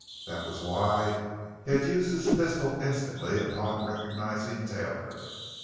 That was why he had used his pistol instantly upon recognizing Taylor.